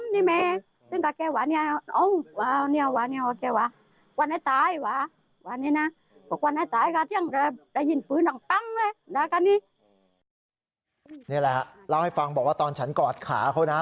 นี่แหละเล่าให้ฟังบอกว่าตอนฉันกอดขาเขานะ